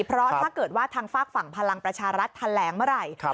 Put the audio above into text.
เพราะถ้าเกิดว่าทางฝากฝั่งพลังประชารัฐแถลงเมื่อไหร่